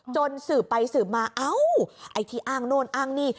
สืบไปสืบมาเอ้าไอ้ที่อ้างโน่นอ้างนี่